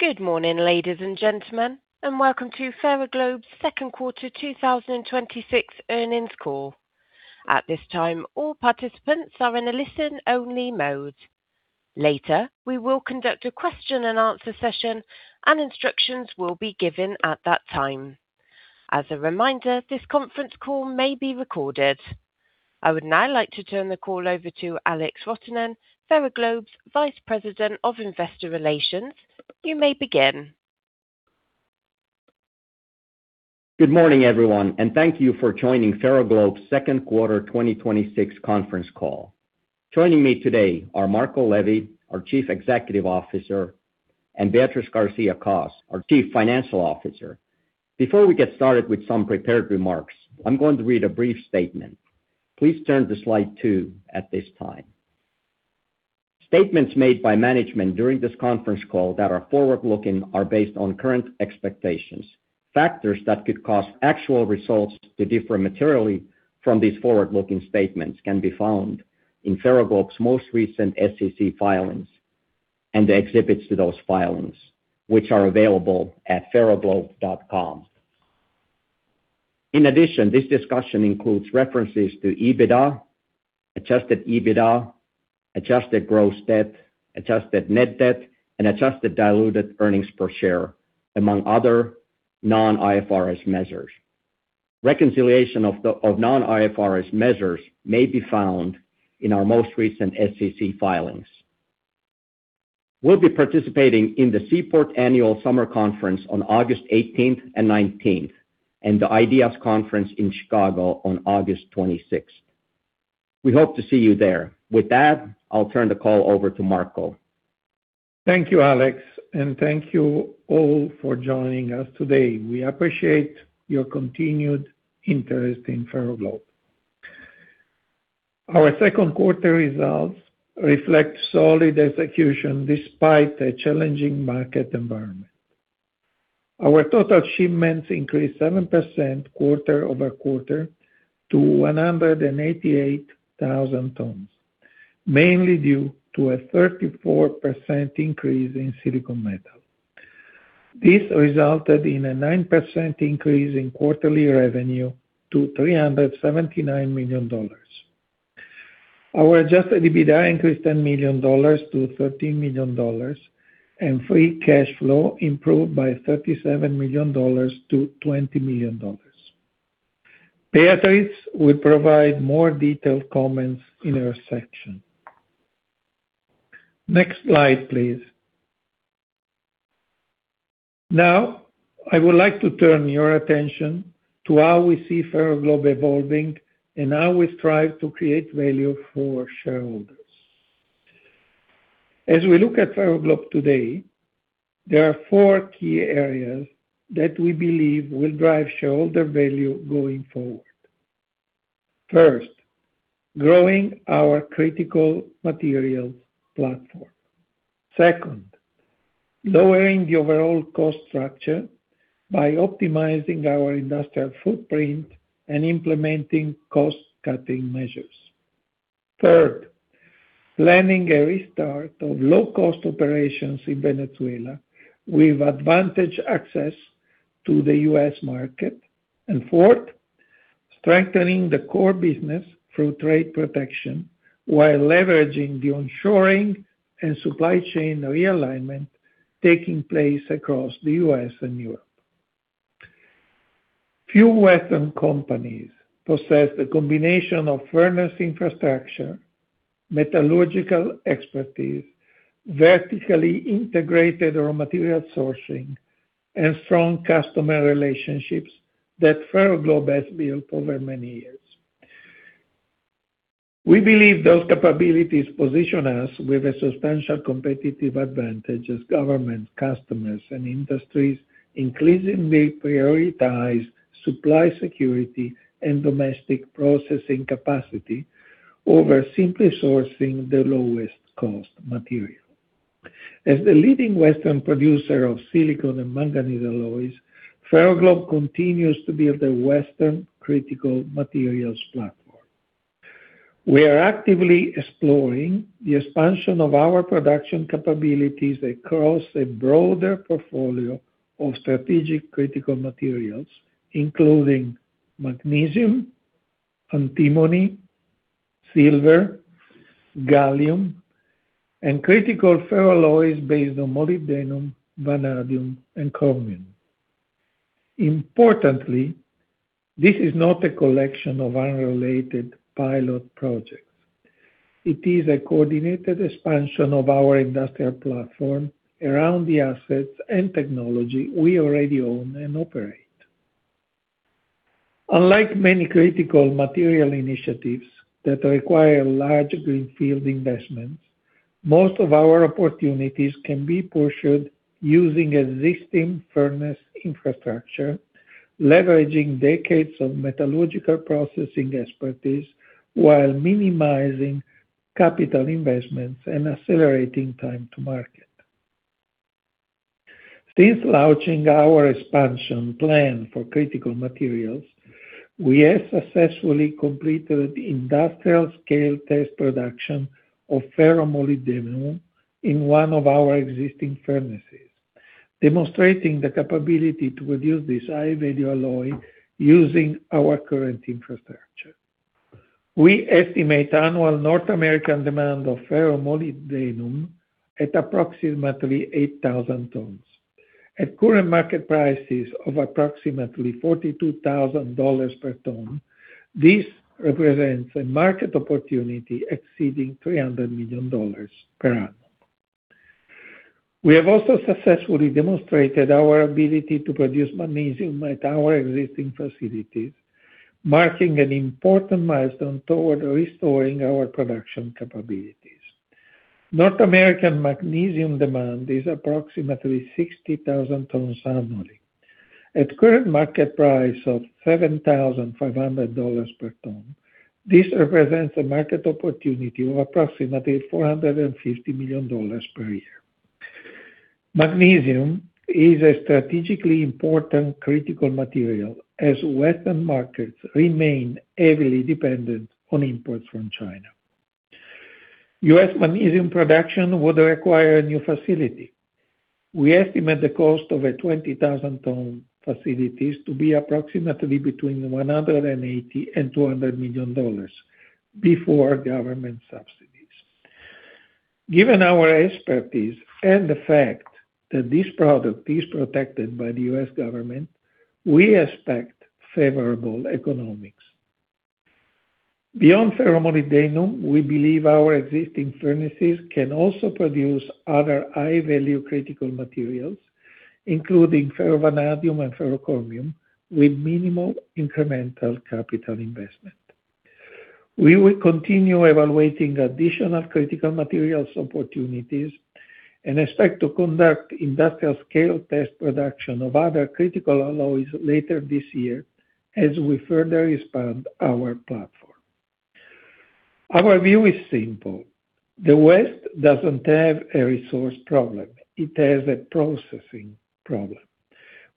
Good morning, ladies and gentlemen, and welcome to Ferroglobe's second quarter 2026 earnings call. At this time, all participants are in a listen-only mode. Later, we will conduct a question-and-answer session, and instructions will be given at that time. As a reminder, this conference call may be recorded. I would now like to turn the call over to Alex Rotonen, Ferroglobe's Vice President of Investor Relations. You may begin. Good morning, everyone, and thank you for joining Ferroglobe's second quarter 2026 conference call. Joining me today are Marco Levi, our Chief Executive Officer, and Beatriz García-Cos, our Chief Financial Officer. Before we get started with some prepared remarks, I'm going to read a brief statement. Please turn to slide two at this time. Statements made by management during this conference call that are forward-looking are based on current expectations. Factors that could cause actual results to differ materially from these forward-looking statements can be found in Ferroglobe's most recent SEC filings and the exhibits to those filings, which are available at ferroglobe.com. In addition, this discussion includes references to EBITDA, adjusted EBITDA, adjusted gross debt, adjusted net debt, and adjusted diluted earnings per share, among other non-IFRS measures. Reconciliation of non-IFRS measures may be found in our most recent SEC filings. We'll be participating in the Seaport Annual Summer Conference on August 18th and 19th and the IDEAS Investor Conference in Chicago on August 26th. We hope to see you there. With that, I'll turn the call over to Marco. Thank you, Alex, and thank you all for joining us today. We appreciate your continued interest in Ferroglobe. Our second quarter results reflect solid execution despite a challenging market environment. Our total shipments increased 7% quarter-over-quarter to 188,000 tons, mainly due to a 34% increase in silicon metal. This resulted in a 9% increase in quarterly revenue to $379 million. Our adjusted EBITDA increased $10 million to $13 million, and free cash flow improved by $37 million to $20 million. Beatriz will provide more detailed comments in her section. Next slide, please. Now, I would like to turn your attention to how we see Ferroglobe evolving and how we strive to create value for shareholders. As we look at Ferroglobe today, there are four key areas that we believe will drive shareholder value going forward. First, growing our critical materials platform. Second, lowering the overall cost structure by optimizing our industrial footprint and implementing cost-cutting measures. Third, planning a restart of low-cost operations in Venezuela with advantage access to the U.S. market. Fourth, strengthening the core business through trade protection while leveraging the onshoring and supply chain realignment taking place across the U.S. and Europe. Few Western companies possess the combination of furnace infrastructure, metallurgical expertise, vertically integrated raw material sourcing, and strong customer relationships that Ferroglobe has built over many years. We believe those capabilities position us with a substantial competitive advantage as government, customers, and industries increasingly prioritize supply security and domestic processing capacity over simply sourcing the lowest cost material. As the leading Western producer of silicon and manganese alloys, Ferroglobe continues to build a Western critical materials platform. We are actively exploring the expansion of our production capabilities across a broader portfolio of strategic critical materials, including magnesium, antimony, silver, gallium, and critical ferroalloys based on molybdenum, vanadium, and chromium. Importantly, this is not a collection of unrelated pilot projects. It is a coordinated expansion of our industrial platform around the assets and technology we already own and operate. Unlike many critical material initiatives that require large greenfield investments, most of our opportunities can be pursued using existing furnace infrastructure, leveraging decades of metallurgical processing expertise while minimizing capital investments and accelerating time to market. Since launching our expansion plan for critical materials, we have successfully completed industrial scale test production of ferromolybdenum in one of our existing furnaces, demonstrating the capability to produce this high-value alloy using our current infrastructure. We estimate annual North American demand of ferromolybdenum at approximately 8,000 tons. At current market prices of approximately $42,000 per ton, this represents a market opportunity exceeding $300 million per annum. We have also successfully demonstrated our ability to produce magnesium at our existing facilities, marking an important milestone toward restoring our production capabilities. North American magnesium demand is approximately 60,000 tons annually. At current market price of $7,500 per ton, this represents a market opportunity of approximately $450 million per year. Magnesium is a strategically important critical material as Western markets remain heavily dependent on imports from China. U.S. magnesium production would require a new facility. We estimate the cost of a 20,000-ton facilities to be approximately between $180 million and $200 million before government subsidies. Given our expertise and the fact that this product is protected by the U.S. government, we expect favorable economics. Beyond ferromolybdenum, we believe our existing furnaces can also produce other high-value critical materials, including ferrovanadium and ferrochromium, with minimal incremental capital investment. We will continue evaluating additional critical materials opportunities and expect to conduct industrial scale test production of other critical alloys later this year as we further expand our platform. Our view is simple. The West doesn't have a resource problem, it has a processing problem.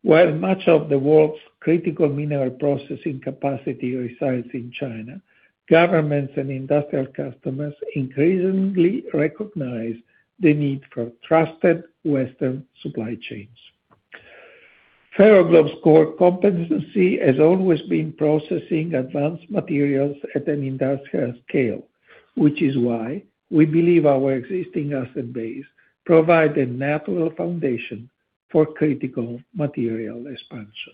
While much of the world's critical mineral processing capacity resides in China, governments and industrial customers increasingly recognize the need for trusted Western supply chains. Ferroglobe's core competency has always been processing advanced materials at an industrial scale, which is why we believe our existing asset base provide a natural foundation for critical material expansion.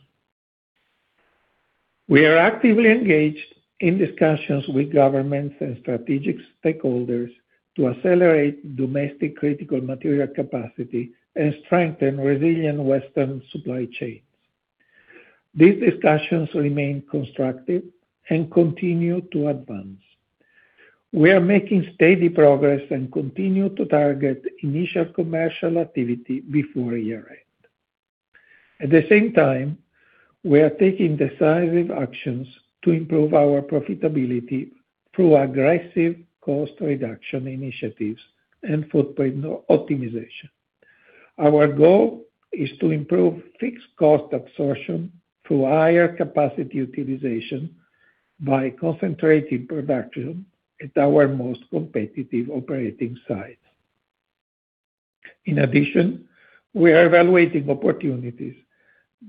We are actively engaged in discussions with governments and strategic stakeholders to accelerate domestic critical material capacity and strengthen resilient Western supply chains. These discussions remain constructive and continue to advance. We are making steady progress and continue to target initial commercial activity before year-end. At the same time, we are taking decisive actions to improve our profitability through aggressive cost reduction initiatives and footprint optimization. Our goal is to improve fixed cost absorption through higher capacity utilization by concentrating production at our most competitive operating sites. In addition, we are evaluating opportunities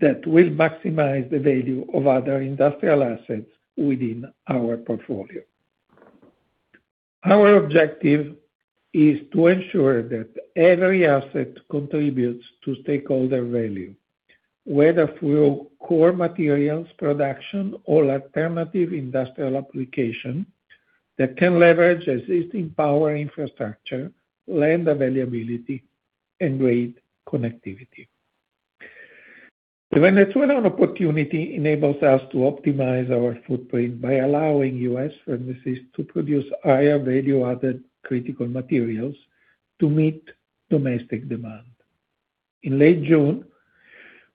that will maximize the value of other industrial assets within our portfolio. Our objective is to ensure that every asset contributes to stakeholder value, whether through core materials production or alternative industrial application that can leverage existing power infrastructure, land availability, and grid connectivity. The Venezuela opportunity enables us to optimize our footprint by allowing U.S. furnaces to produce higher value-added critical materials to meet domestic demand. In late June,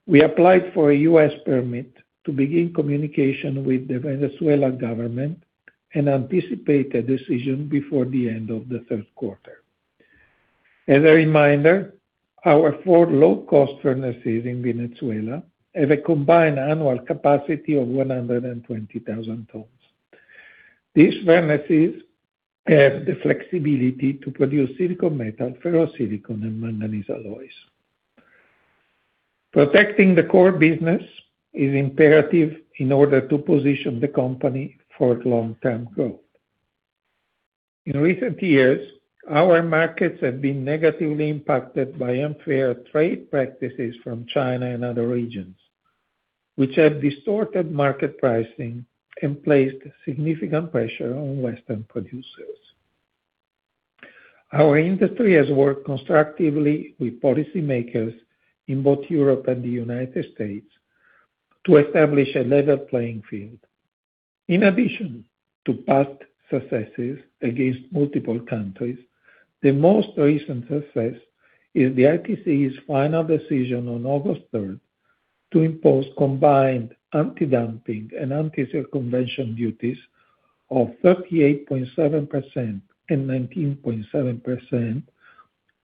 we applied for a U.S. permit to begin communication with the Venezuela government and anticipate a decision before the end of the third quarter. As a reminder, our four low-cost furnaces in Venezuela have a combined annual capacity of 120,000 tons. These furnaces have the flexibility to produce silicon metal, ferrosilicon, and manganese alloys. Protecting the core business is imperative in order to position the company for long-term growth. In recent years, our markets have been negatively impacted by unfair trade practices from China and other regions, which have distorted market pricing and placed significant pressure on Western producers. Our industry has worked constructively with policymakers in both Europe and the U.S. to establish a level playing field. In addition to past successes against multiple countries, the most recent success is the ITC's final decision on August 3rd to impose combined antidumping and anti-circumvention duties of 38.7% and 19.7%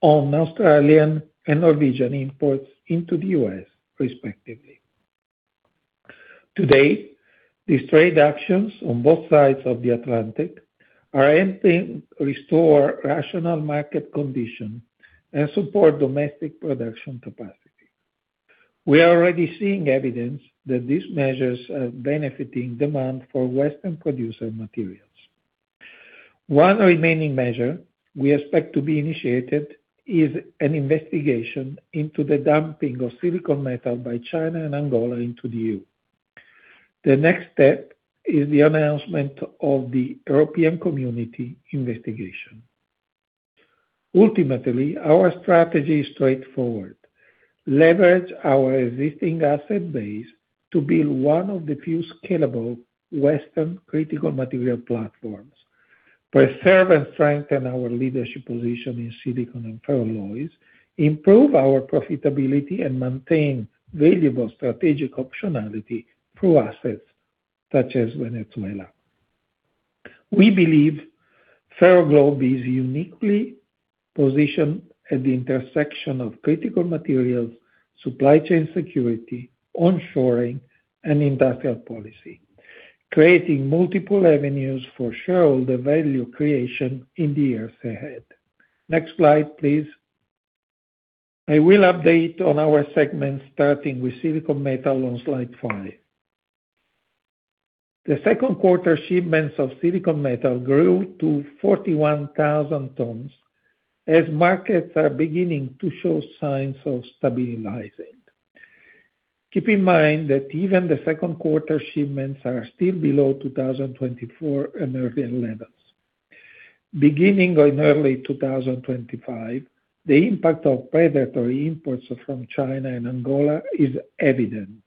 on Australian and Norwegian imports into the U.S., respectively. To date, these trade actions on both sides of the Atlantic are aiming to restore rational market condition and support domestic production capacity. We are already seeing evidence that these measures are benefiting demand for Western producer materials. One remaining measure we expect to be initiated is an investigation into the dumping of silicon metal by China and Angola into the EU. The next step is the announcement of the European Commission investigation. Ultimately, our strategy is straightforward: leverage our existing asset base to build one of the few scalable Western critical material platforms, preserve and strengthen our leadership position in silicon and ferroalloys, improve our profitability, and maintain valuable strategic optionality through assets such as Venezuela. We believe Ferroglobe is uniquely positioned at the intersection of critical materials, supply chain security, onshoring, and industrial policy, creating multiple avenues for shareholder value creation in the years ahead. Next slide, please. I will update on our segments, starting with silicon metal on slide five. The second quarter shipments of silicon metal grew to 41,000 tons as markets are beginning to show signs of stabilizing. Keep in mind that even the second quarter shipments are still below 2024 and earlier levels. Beginning in early 2025, the impact of predatory imports from China and Angola is evident.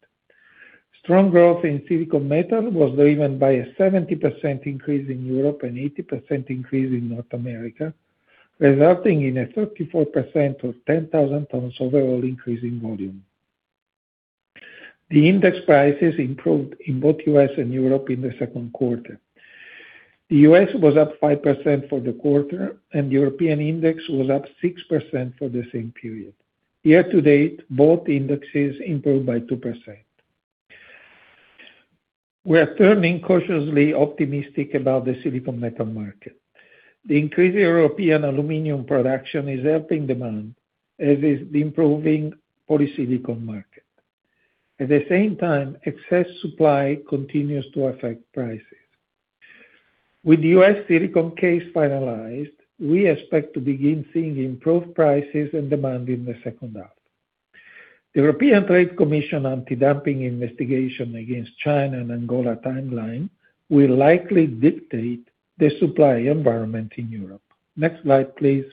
Strong growth in silicon metal was driven by a 70% increase in Europe, an 80% increase in North America, resulting in a 34% or 10,000 tons overall increase in volume. The index prices improved in both U.S. and Europe in the second quarter. The U.S. was up 5% for the quarter, and European index was up 6% for the same period. Year-to-date, both indexes improved by 2%. We are turning cautiously optimistic about the silicon metal market. The increased European aluminum production is helping demand, as is the improving polysilicon market. At the same time, excess supply continues to affect prices. With the U.S. silicon case finalized, we expect to begin seeing improved prices and demand in the second half. The European Commission anti-dumping investigation against China and Angola timeline will likely dictate the supply environment in Europe. Next slide, please.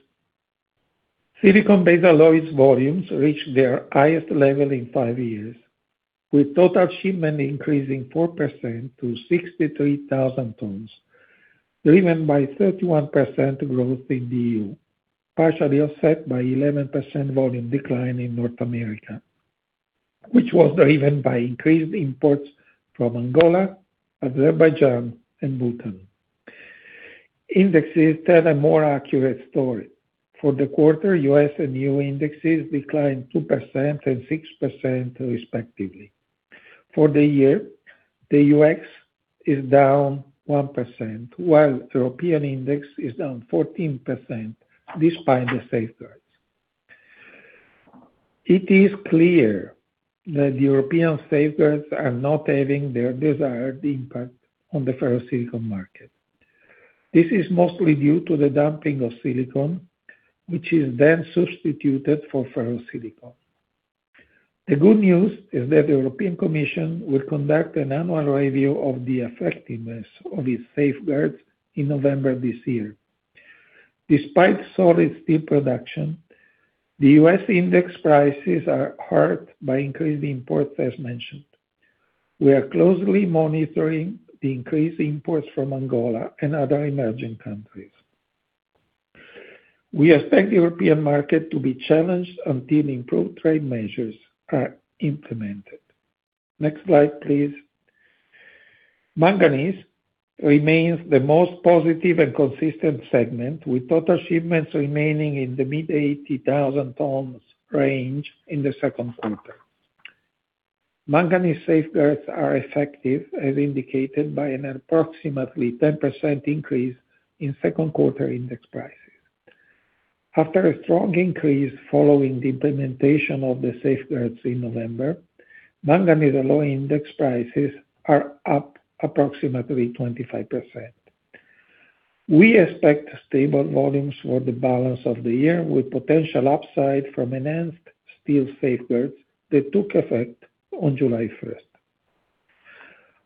Silicon ferroalloys volumes reached their highest level in five years, with total shipment increasing 4% to 63,000 tons, driven by 31% growth in the EU, partially offset by 11% volume decline in North America, which was driven by increased imports from Angola, Azerbaijan, and Bhutan. Indexes tell a more accurate story. For the quarter, U.S. and EU indexes declined 2% and 6%, respectively. For the year, the U.S. is down 1%, while European index is down 14%, despite the safeguards. It is clear that the European safeguards are not having their desired impact on the ferrosilicon market. This is mostly due to the dumping of silicon, which is then substituted for ferrosilicon. The good news is that the European Commission will conduct an annual review of the effectiveness of its safeguards in November this year. Despite solid steel production, the U.S. index prices are hurt by increased imports, as mentioned. We are closely monitoring the increased imports from Angola and other emerging countries. We expect the European market to be challenged until improved trade measures are implemented. Next slide, please. Manganese remains the most positive and consistent segment, with total shipments remaining in the mid 80,000 tons range in the second quarter. Manganese safeguards are effective, as indicated by an approximately 10% increase in second quarter index prices. After a strong increase following the implementation of the safeguards in November, manganese alloy index prices are up approximately 25%. We expect stable volumes for the balance of the year, with potential upside from enhanced steel safeguards that took effect on July 1st.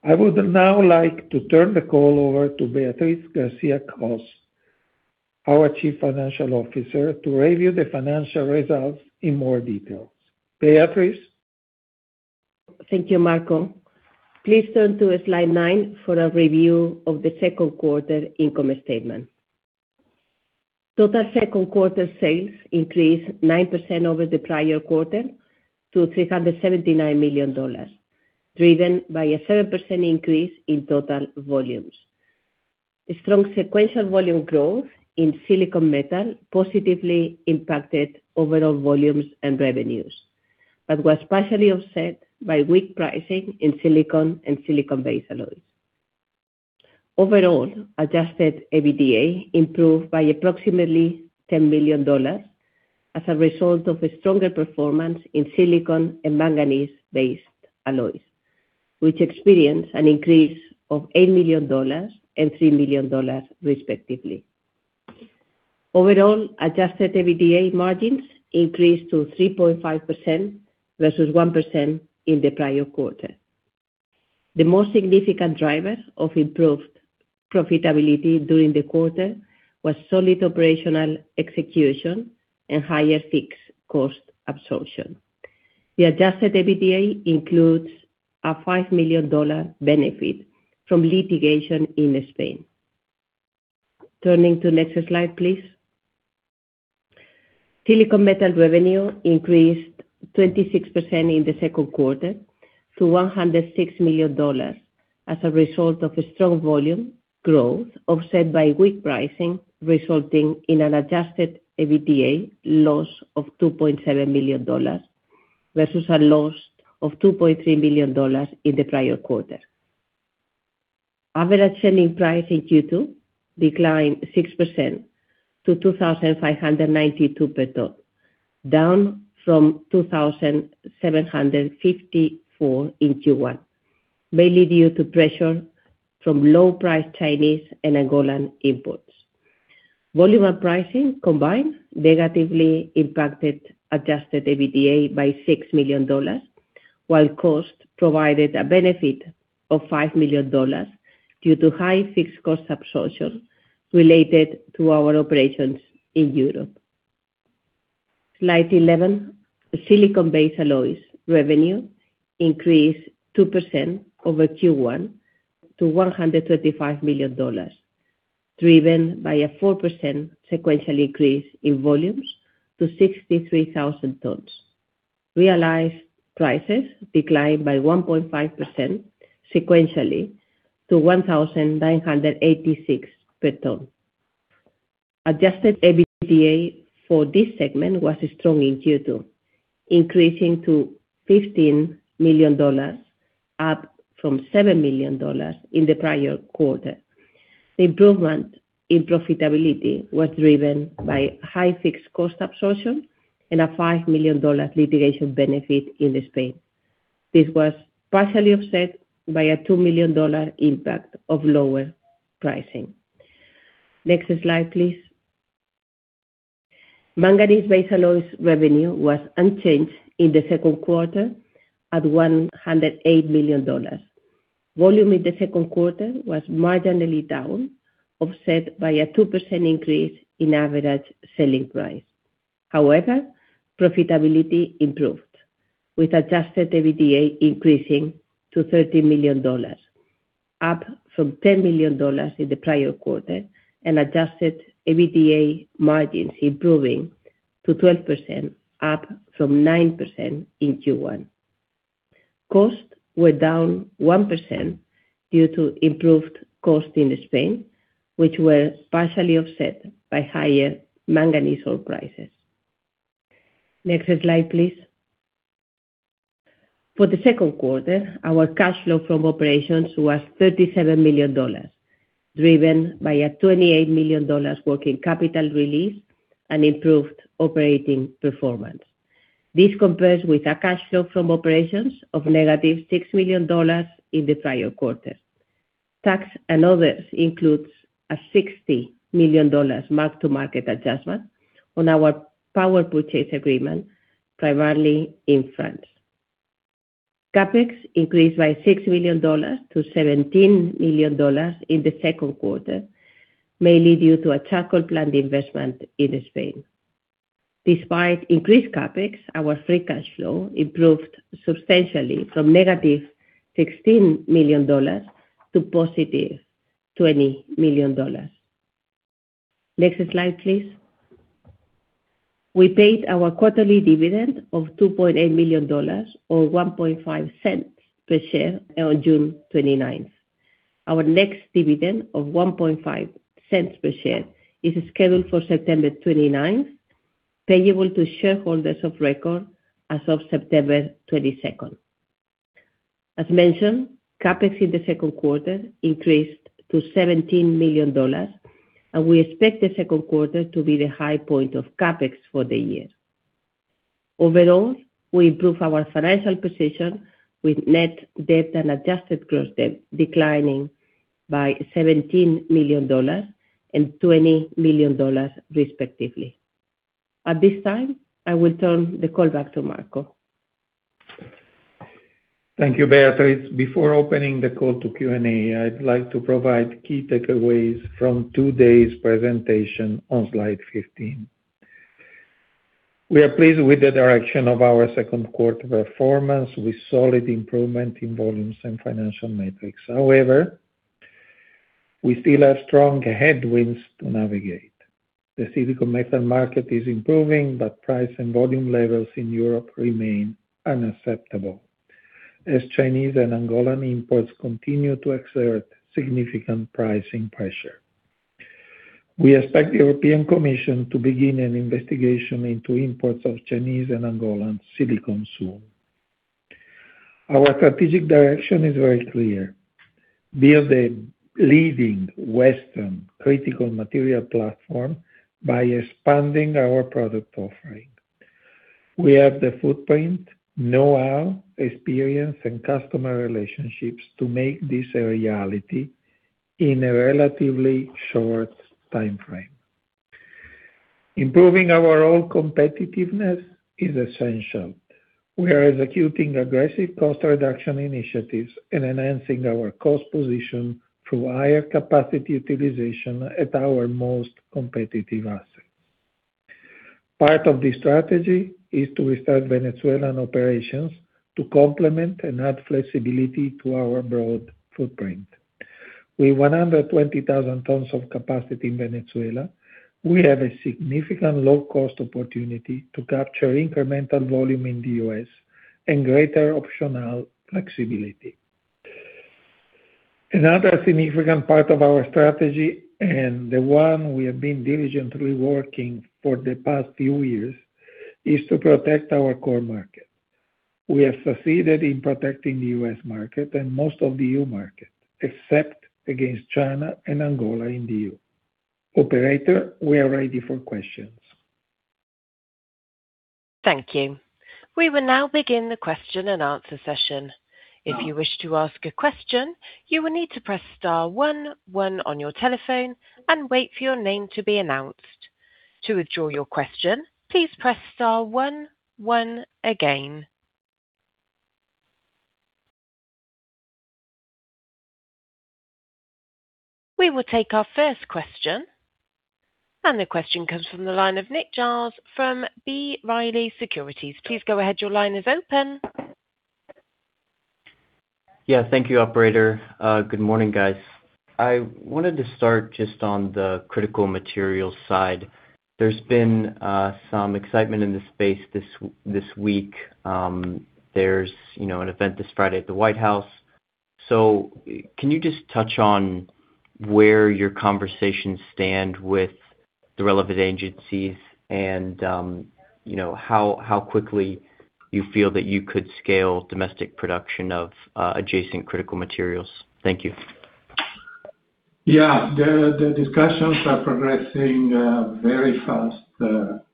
I would now like to turn the call over to Beatriz García-Cos, our Chief Financial Officer, to review the financial results in more details. Beatriz? Thank you, Marco. Please turn to slide nine for a review of the second quarter income statement. Total second quarter sales increased 9% over the prior quarter to $379 million, driven by a 7% increase in total volumes. Strong sequential volume growth in silicon metal positively impacted overall volumes and revenues, but was partially offset by weak pricing in silicon and silicon-based alloys. Overall, adjusted EBITDA improved by approximately $10 million as a result of a stronger performance in silicon and manganese-based alloys, which experienced an increase of $8 million and $3 million respectively. Overall, adjusted EBITDA margins increased to 3.5% versus 1% in the prior quarter. The most significant driver of improved profitability during the quarter was solid operational execution and higher fixed cost absorption. The adjusted EBITDA includes a $5 million benefit from litigation in Spain. Turning to next slide, please. Silicon metal revenue increased 26% in the second quarter to $106 million as a result of a strong volume growth, offset by weak pricing, resulting in an adjusted EBITDA loss of $2.7 million versus a loss of $2.3 million in the prior quarter. Average selling price in Q2 declined 6% to $2,592 per ton, down from $2,754 in Q1, mainly due to pressure from low-price Chinese and Angolan imports. Volume and pricing combined negatively impacted adjusted EBITDA by $6 million, while cost provided a benefit of $5 million due to high fixed cost absorption related to our operations in Europe. Slide 11. Silicon-based alloys revenue increased 2% over Q1 to $135 million, driven by a 4% sequential increase in volumes to 63,000 tons. Realized prices declined by 1.5% sequentially to $1,986 per ton. Adjusted EBITDA for this segment was strong in Q2, increasing to $15 million, up from $7 million in the prior quarter. The improvement in profitability was driven by high fixed cost absorption and a $5 million litigation benefit in Spain. This was partially offset by a $2 million impact of lower pricing. Next slide, please. Manganese-based alloys revenue was unchanged in the second quarter at $108 million. Volume in the second quarter was marginally down, offset by a 2% increase in average selling price. Profitability improved, with adjusted EBITDA increasing to $30 million, up from $10 million in the prior quarter, and adjusted EBITDA margins improving to 12%, up from 9% in Q1. Costs were down 1% due to improved costs in Spain, which were partially offset by higher manganese ore prices. Next slide, please. For the second quarter, our cash flow from operations was $37 million, driven by a $28 million working capital release and improved operating performance. This compares with a cash flow from operations of -$6 million in the prior quarter. Tax and others includes a $60 million mark-to-market adjustment on our power purchase agreement, primarily in France. CapEx increased by $6 million to $17 million in the second quarter, mainly due to a charcoal plant investment in Spain. Despite increased CapEx, our free cash flow improved substantially from -$16 million to +$20 million. Next slide, please. We paid our quarterly dividend of $2.8 million, or $0.015 per share, on June 29th. Our next dividend of $0.015 per share is scheduled for September 29th, payable to shareholders of record as of September 22nd. As mentioned, CapEx in the second quarter increased to $17 million, and we expect the second quarter to be the high point of CapEx for the year. Overall, we improved our financial position with net debt and adjusted gross debt declining by $17 million and $20 million respectively. At this time, I will turn the call back to Marco. Thank you, Beatriz. Before opening the call to Q&A, I'd like to provide key takeaways from today's presentation on slide 15. We are pleased with the direction of our second quarter performance, with solid improvement in volumes and financial metrics. However, we still have strong headwinds to navigate. The silicon metal market is improving, but price and volume levels in Europe remain unacceptable as Chinese and Angolan imports continue to exert significant pricing pressure. We expect the European Commission to begin an investigation into imports of Chinese and Angolan silicon soon. Our strategic direction is very clear: build a leading Western critical material platform by expanding our product offering. We have the footprint, know-how, experience, and customer relationships to make this a reality in a relatively short timeframe. Improving our own competitiveness is essential. We are executing aggressive cost reduction initiatives and enhancing our cost position through higher capacity utilization at our most competitive assets. Part of this strategy is to restart Venezuelan operations to complement and add flexibility to our broad footprint. With 120,000 tons of capacity in Venezuela, we have a significant low-cost opportunity to capture incremental volume in the U.S. and greater optional flexibility. Another significant part of our strategy, and the one we have been diligently working for the past few years, is to protect our core market. We have succeeded in protecting the U.S. market and most of the EU market, except against China and Angola in the EU. Operator, we are ready for questions. Thank you. We will now begin the question-and-answer session. If you wish to ask a question, you will need to press star one one on your telephone and wait for your name to be announced. To withdraw your question, please press star one one again. We will take our first question, and the question comes from the line of Nick Giles from B. Riley Securities. Please go ahead. Your line is open. Yeah. Thank you, operator. Good morning, guys. I wanted to start just on the critical materials side. There's been some excitement in this space this week. There's an event this Friday at the White House. Can you just touch on where your conversations stand with the relevant agencies and how quickly you feel that you could scale domestic production of adjacent critical materials? Thank you. Yeah. The discussions are progressing very fast,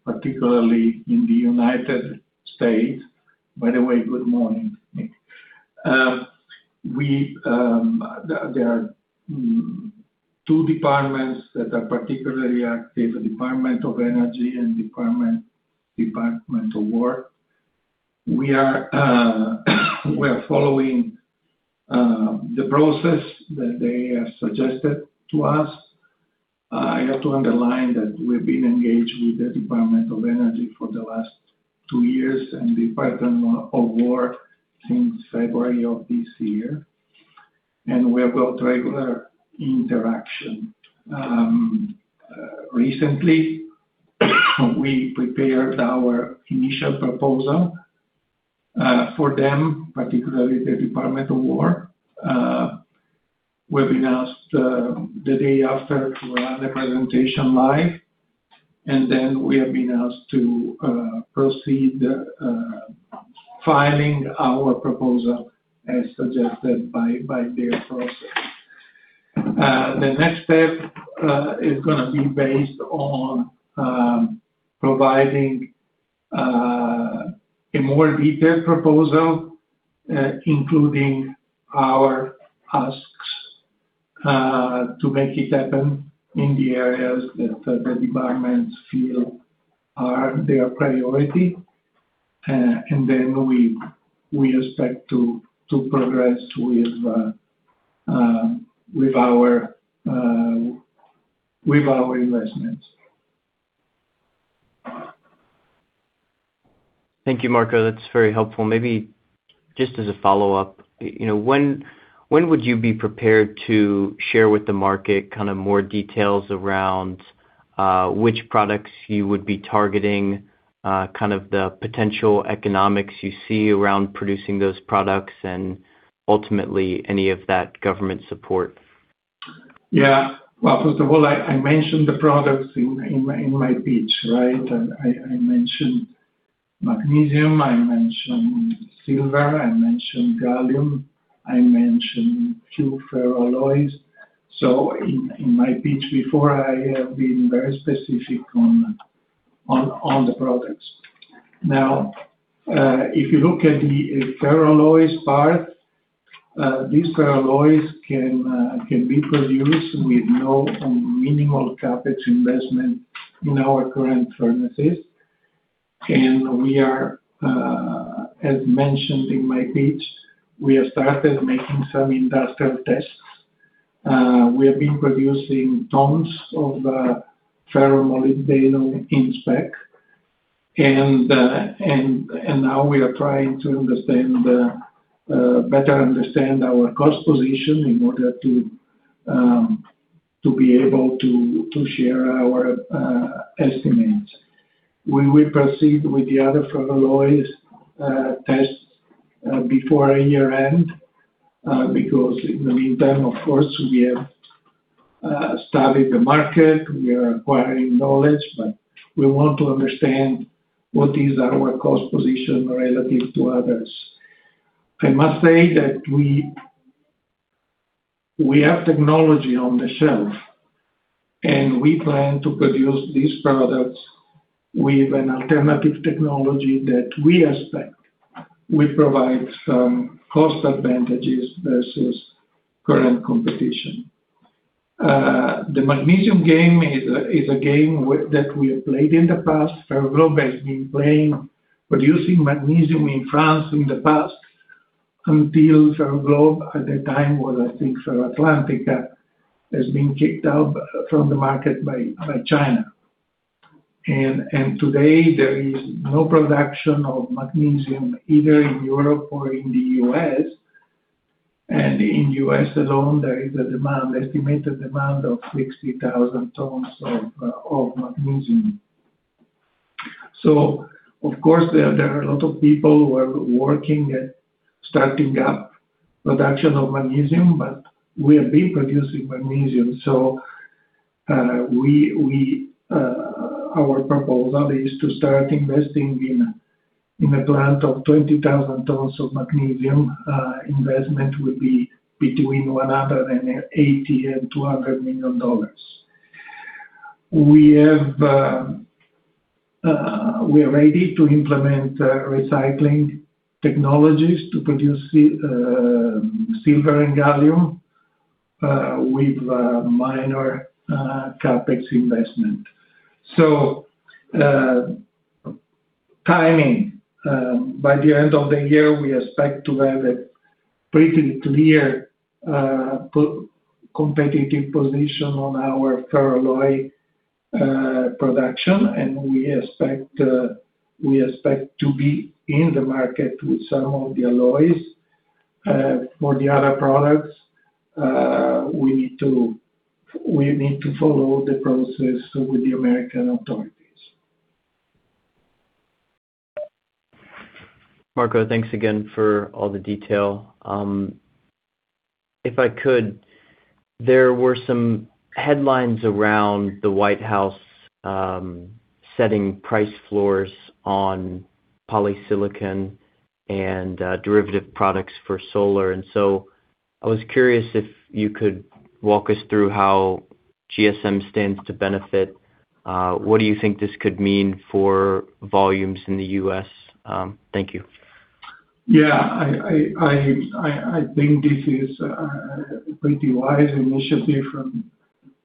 particularly in the United States. By the way, good morning, Nick. There are two departments that are particularly active, the Department of Energy and Department of War. We are following the process that they have suggested to us. I have to underline that we've been engaged with the Department of Energy for the last two years and the Department of War since February of this year, and we have got regular interaction. Recently, we prepared our initial proposal for them, particularly the Department of War. We've been asked the day after to run the presentation live. We have been asked to proceed filing our proposal as suggested by their process. The next step is going to be based on providing a more detailed proposal, including our asks to make it happen in the areas that the departments feel are their priority. We expect to progress with our investments. Thank you, Marco. That's very helpful. Maybe just as a follow-up, when would you be prepared to share with the market more details around which products you would be targeting, the potential economics you see around producing those products, and ultimately any of that government support? Yeah. Well, first of all, I mentioned the products in my pitch, right? I mentioned magnesium, I mentioned silver, I mentioned gallium, I mentioned few ferroalloys. In my pitch before, I have been very specific on the products. Now, if you look at the ferroalloys part, these ferroalloys can be produced with no minimal CapEx investment in our current furnaces. We are, as mentioned in my pitch, we have started making some industrial tests. We have been producing tons of ferromolybdenum in spec, and now we are trying to better understand our cost position in order to be able to share our estimates. We will proceed with the other ferroalloys tests before year-end, because in the meantime, of course, we have studied the market, we are acquiring knowledge, but we want to understand what is our cost position relative to others. I must say that we have technology on the shelf, we plan to produce these products with an alternative technology that we expect will provide some cost advantages versus current competition. The magnesium game is a game that we have played in the past. Ferroglobe has been producing magnesium in France in the past, until Ferroglobe, at the time was, I think, FerroAtlántica, has been kicked out from the market by China. Today, there is no production of magnesium, either in Europe or in the U.S. In U.S. alone, there is an estimated demand of 60,000 tons of magnesium. Of course, there are a lot of people who are working at starting up production of magnesium, but we have been producing magnesium. Our proposal is to start investing in a plant of 20,000 tons of magnesium. Investment will be between $180 million and $200 million. We are ready to implement recycling technologies to produce silver and gallium, with minor CapEx investment. Timing, by the end of the year, we expect to have a pretty clear competitive position on our ferroalloy production. We expect to be in the market with some of the alloys. For the other products, we need to follow the process with the American authorities. Marco, thanks again for all the detail. If I could, there were some headlines around the White House setting price floors on polysilicon and derivative products for solar. I was curious if you could walk us through how GSM stands to benefit. What do you think this could mean for volumes in the U.S.? Thank you. Yeah. I think this is a pretty wise initiative from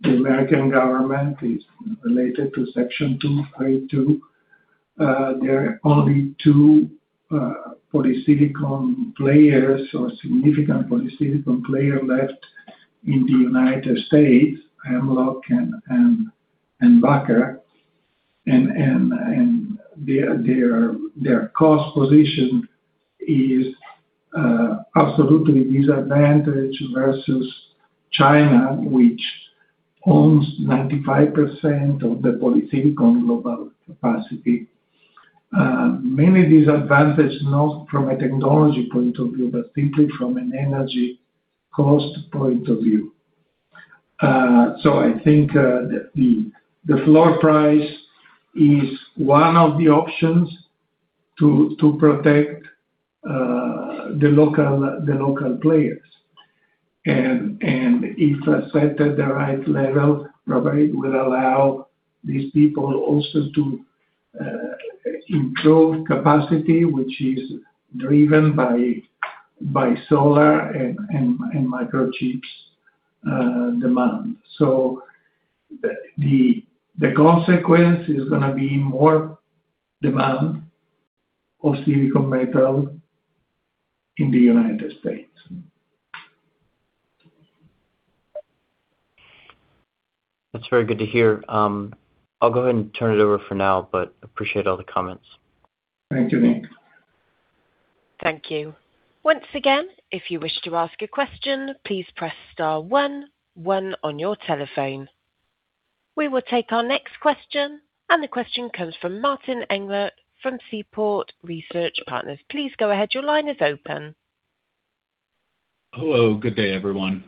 the American government. It's related to Section 232. There are only two polysilicon players or significant polysilicon player left in the United States, Hemlock and Wacker. Their cost position is absolutely disadvantaged versus China, which owns 95% of the polysilicon global capacity. Mainly disadvantaged, not from a technology point of view, but simply from an energy cost point of view. I think, the floor price is one of the options to protect the local players. If set at the right level, probably will allow these people also to improve capacity, which is driven by solar and microchips demand. The consequence is going to be more demand of silicon metal in the United States. That's very good to hear. I'll go ahead and turn it over for now, but appreciate all the comments. Thank you, Nick. Thank you. Once again, if you wish to ask a question, please press star one one on your telephone. We will take our next question, and the question comes from Martin Englert from Seaport Research Partners. Please go ahead. Your line is open. Hello. Good day, everyone.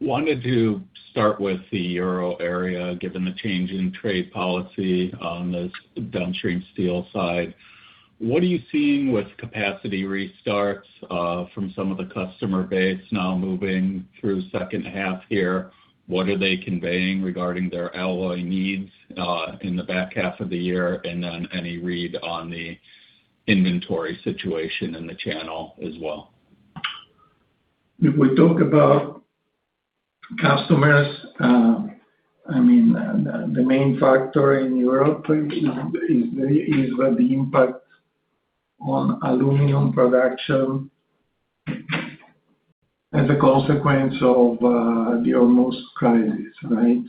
Wanted to start with the Euro area, given the change in trade policy on the downstream steel side. What are you seeing with capacity restarts from some of the customer base now moving through second half here? What are they conveying regarding their alloy needs, in the back half of the year? Any read on the inventory situation in the channel as well? If we talk about customers, the main factor in Europe is the impact on aluminum production as a consequence of the almost crisis. Right.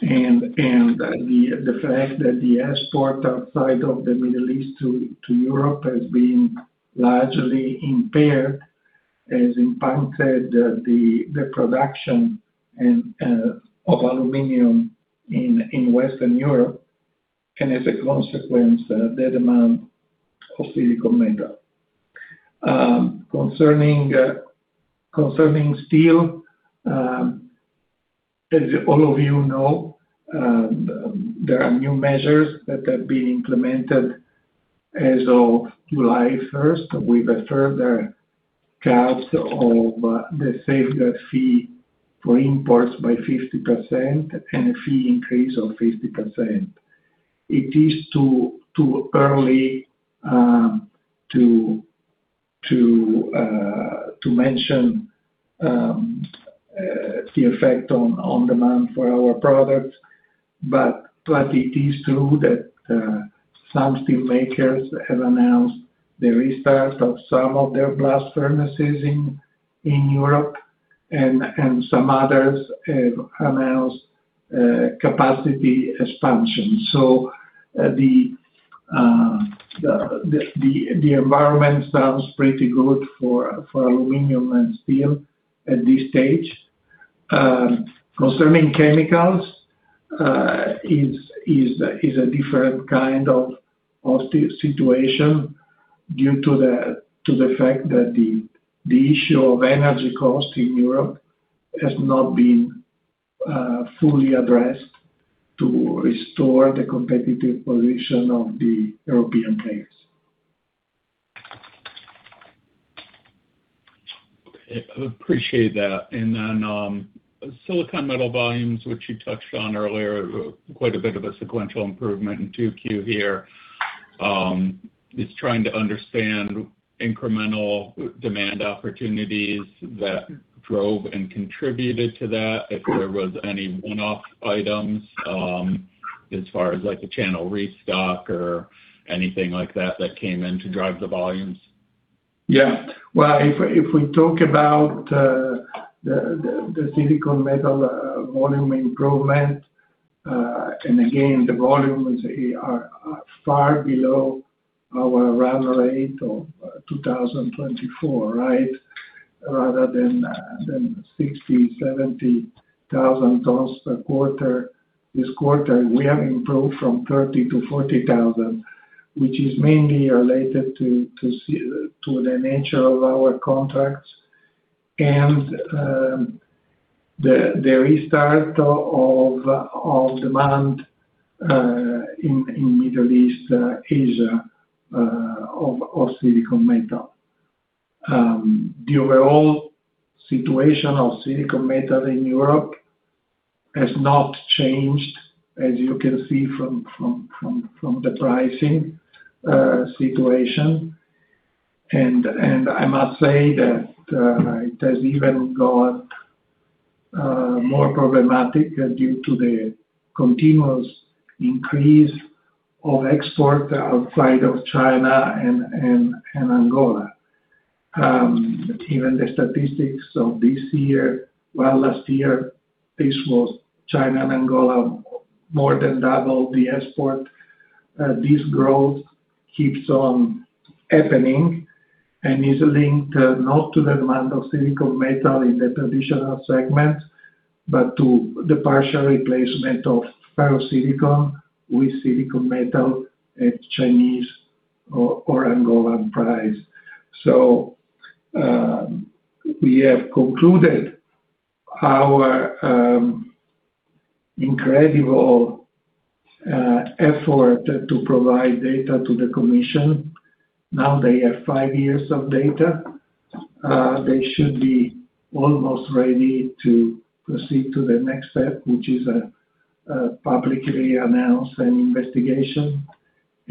The fact that the export outside of the Middle East to Europe has been largely impaired, has impacted the production of aluminum in Western Europe, and as a consequence, the demand of silicon metal. Concerning steel, as all of you know, there are new measures that have been implemented as of July 1st, with a further cut of the safeguard fee for imports by 50% and a fee increase of 50%. It is too early to mention the effect on demand for our products, but it is true that some steel makers have announced the restart of some of their blast furnaces in Europe, and some others have announced capacity expansion. The environment sounds pretty good for aluminum and steel at this stage. Concerning chemicals, it's a different kind of situation due to the fact that the issue of energy cost in Europe has not been fully addressed to restore the competitive position of the European players. Okay, appreciate that. Then, silicon metal volumes, which you touched on earlier, quite a bit of a sequential improvement in 2Q here. Just trying to understand incremental demand opportunities that drove and contributed to that, if there was any one-off items, as far as, like a channel restock or anything like that that came in to drive the volumes. Yeah. If we talk about the silicon metal volume improvement, and again, the volumes are far below our run rate of 2024. Rather than 60,000, 70,000 tons per quarter, this quarter, we have improved from 30,000-40,000, which is mainly related to the nature of our contracts and the restart of demand in Middle East, Asia, of silicon metal. The overall situation of silicon metal in Europe has not changed, as you can see from the pricing situation. I must say that it has even got more problematic due to the continuous increase of export outside of China and Angola. Even the statistics of this year. Last year, this was China and Angola, more than double the export. This growth keeps on happening and is linked not to the demand of silicon metal in the traditional segment, but to the partial replacement of ferrosilicon with silicon metal at Chinese or Angolan price. We have concluded our incredible effort to provide data to the commission. Now they have five years of data. They should be almost ready to proceed to the next step, which is publicly announce an investigation,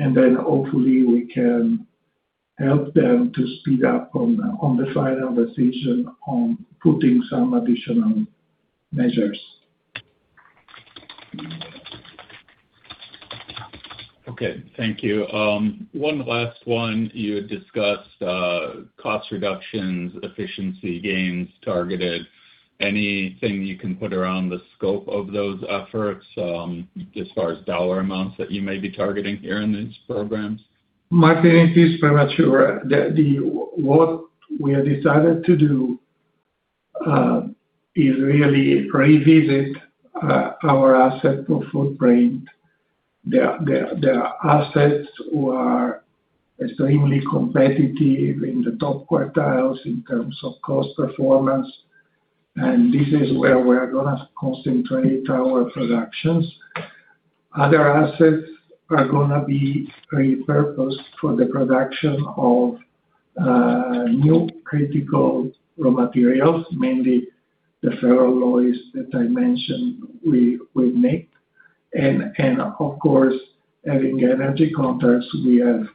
hopefully we can help them to speed up on the final decision on putting some additional measures. Okay, thank you. One last one, you had discussed cost reductions, efficiency gains targeted. Anything you can put around the scope of those efforts, as far as dollar amounts that you may be targeting here in these programs? My feeling is premature. What we have decided to do is really revisit our asset footprint. There are assets who are extremely competitive in the top quartiles in terms of cost performance, and this is where we're going to concentrate our productions. Other assets are going to be repurposed for the production of new critical raw materials, mainly the ferroalloys that I mentioned we make. Of course, having energy contracts, we have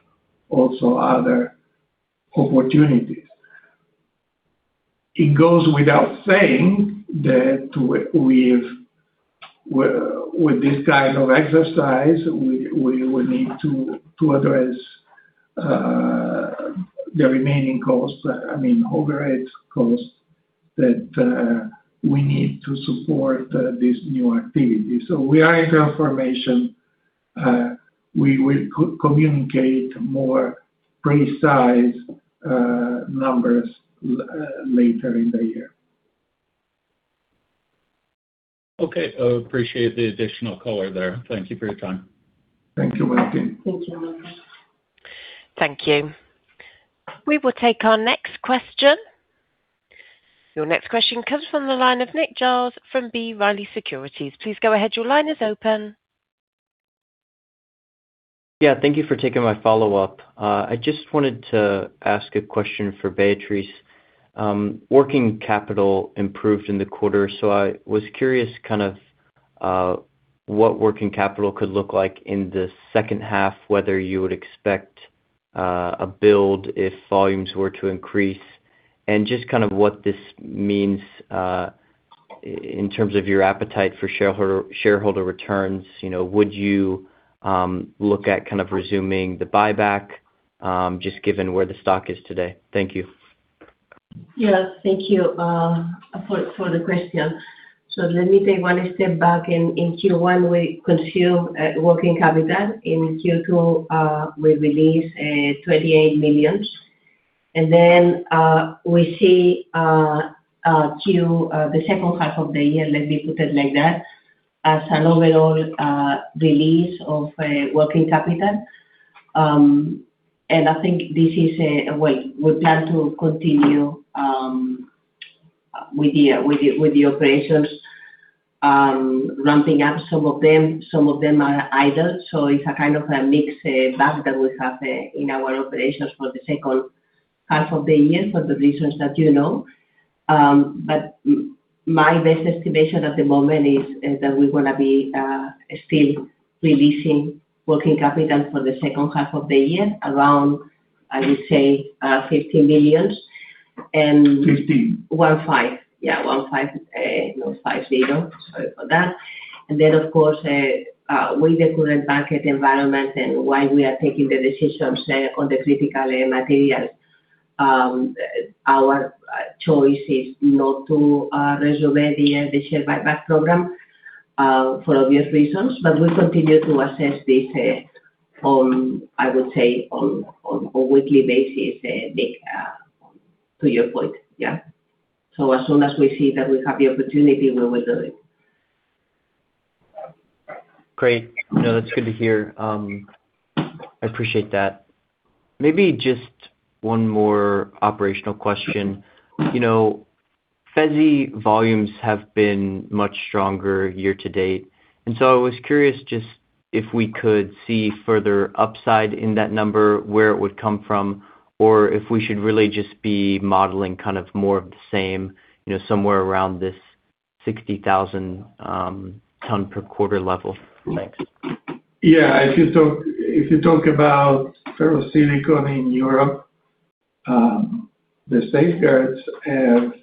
also other opportunities. It goes without saying that with this kind of exercise, we will need to address the remaining costs, overhead costs, that we need to support these new activities. We are in transformation. We will communicate more precise numbers later in the year. Okay. I appreciate the additional color there. Thank you for your time. Thank you, Martin. Thank you, Martin. Thank you. We will take our next question. Your next question comes from the line of Nick Giles from B. Riley Securities. Please go ahead. Your line is open. Thank you for taking my follow-up. I just wanted to ask a question for Beatriz. Working capital improved in the quarter, so I was curious what working capital could look like in the second half, whether you would expect a build if volumes were to increase, and just what this means in terms of your appetite for shareholder returns. Would you look at resuming the buyback, just given where the stock is today? Thank you. Yes. Thank you for the question. Let me take one step back. In Q1, we consumed working capital. In Q2, we released $28 million. We see the second half of the year, let me put it like that, as an overall release of working capital. I think this is a way we plan to continue with the operations, ramping up some of them. Some of them are idle, so it's a kind of a mixed bag that we have in our operations for the second half of the year, for the reasons that you know. My best estimation at the moment is that we're going to be still releasing working capital for the second half of the year, around, I would say, $15 million. $15 million? Yeah, One five. Sorry for that. Of course, with the current market environment and why we are taking the decisions on the critical materials, our choice is not to resume the share buyback program, for obvious reasons. We continue to assess this on, I would say, a weekly basis, Nick, to your point. Yeah. As soon as we see that we have the opportunity, we will do it. Great. That's good to hear. I appreciate that. Maybe just one more operational question. You know, FeSi volumes have been much stronger year-to-date. I was curious just if we could see further upside in that number, where it would come from, or if we should really just be modeling more of the same, somewhere around this 60,000 tons per quarter level. Thanks. Yeah. If you talk about ferrosilicon in Europe, the safeguards have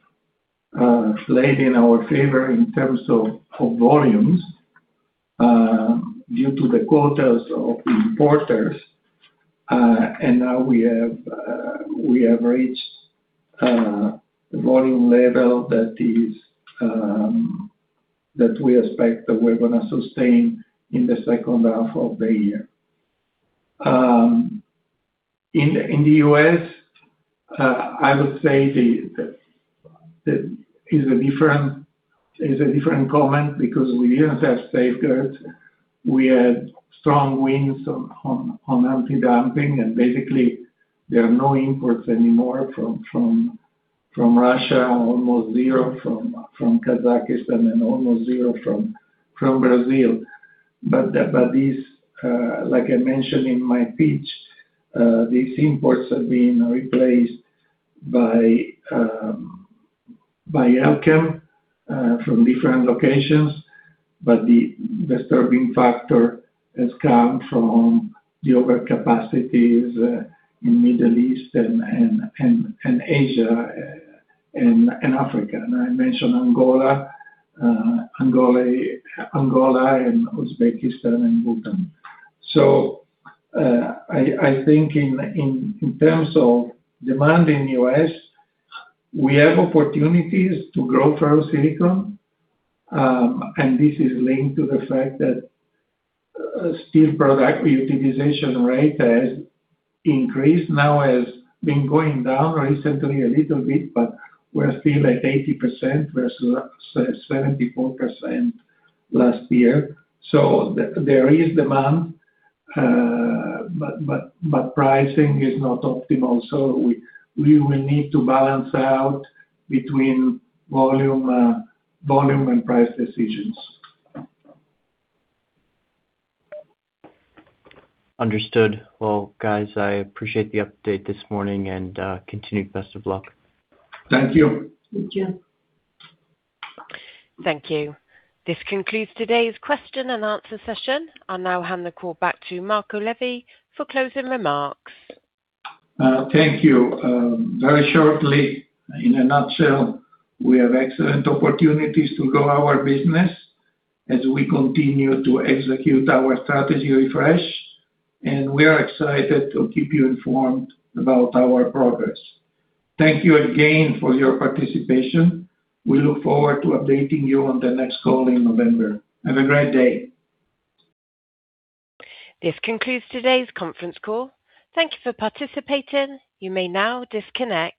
played in our favor in terms of volumes due to the quotas of importers. Now we have reached a volume level that we expect that we're going to sustain in the second half of the year. In the U.S., I would say that is a different comment because we didn't have safeguards. We had strong wins on antidumping. Basically, there are no imports anymore from Russia, almost zero from Kazakhstan, and almost zero from Brazil. Like I mentioned in my pitch, these imports are being replaced by Elkem from different locations. The disturbing factor has come from the overcapacities in Middle East and Asia and Africa. I mentioned Angola and Uzbekistan and Bhutan. I think in terms of demand in U.S., we have opportunities to grow ferrosilicon, and this is linked to the fact that steel product utilization rate has increased. Now has been going down recently a little bit, but we're still at 80%. We're still at 74% last year. There is demand, but pricing is not optimal. We will need to balance out between volume and price decisions. Understood. Well, guys, I appreciate the update this morning, and continued best of luck. Thank you. Thank you. Thank you. This concludes today's question-and-answer session. I'll now hand the call back to Marco Levi for closing remarks. Thank you. Very shortly, in a nutshell, we have excellent opportunities to grow our business as we continue to execute our strategy refresh, and we are excited to keep you informed about our progress. Thank you again for your participation. We look forward to updating you on the next call in November. Have a great day. This concludes today's conference call. Thank you for participating. You may now disconnect.